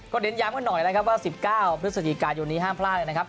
เน้นย้ำกันหน่อยนะครับว่า๑๙พฤศจิกายนนี้ห้ามพลาดเลยนะครับ